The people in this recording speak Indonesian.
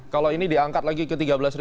kalau ini diangkat lagi ke tiga belas lima ratus